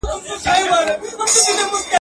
څو شپې ورځي وو په غره کي ګرځېدلی.